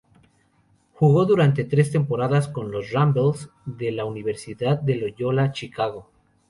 Jugó durante tres temporadas con los "Ramblers" de la Universidad de Loyola Chicago.